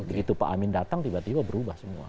begitu pak amin datang tiba tiba berubah semua